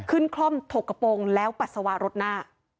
คล่อมถกกระโปรงแล้วปัสสาวะรถหน้า